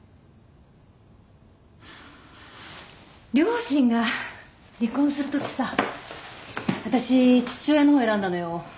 両親が離婚するときさ私父親の方選んだのよ。